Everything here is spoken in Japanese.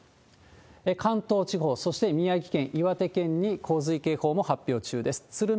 関東地方、そして宮城県、岩手県に洪水警報も発表中です。